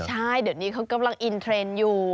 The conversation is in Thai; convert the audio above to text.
ใช่เดี๋ยวนี้เขากำลังอินเทรนด์อยู่